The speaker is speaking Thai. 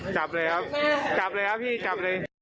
จับเลยครับจับเลยครับพี่จับเลย